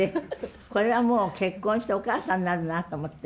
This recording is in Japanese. これはもう結婚してお母さんになるなと思って。